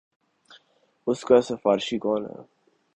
اس کا سفارشی کون ہے۔